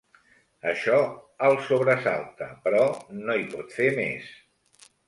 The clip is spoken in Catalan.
Això el sobresalta, però no hi pot fer més.